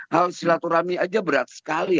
hal silaturahmi aja berat sekali